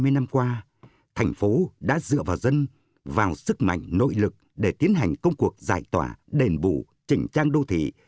hai mươi năm qua thành phố đã dựa vào dân vào sức mạnh nội lực để tiến hành công cuộc giải tỏa đền bù chỉnh trang đô thị